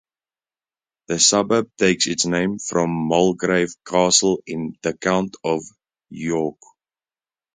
The suburb takes its name from Mulgrave Castle in the County of York.